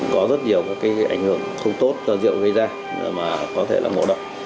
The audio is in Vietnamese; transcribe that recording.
có rất nhiều cái ảnh hưởng không tốt cho rượu gây ra mà có thể là ngộ độc